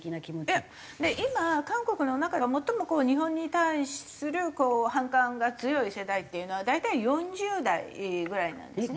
いや今韓国の中が最も日本に対する反感が強い世代っていうのは大体４０代ぐらいなんですね。